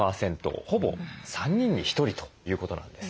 ほぼ３人に１人ということなんですね。